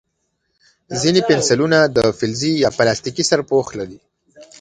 ځینې پنسلونه د فلزي یا پلاستیکي سرپوښ لري.